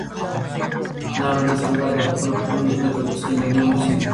نوی نسل بايد د خپلو پلرونو فکر په سنجيدګۍ وڅېړي.